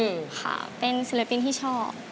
โอ้โหไปทบทวนเนื้อได้โอกาสทองเลยนานทีเดียวเป็นไงครับวาว